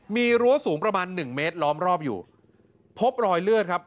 มีรั้วสูงประมาณหนึ่งเมตรล้อมรอบอยู่พบรอยเลือดครับ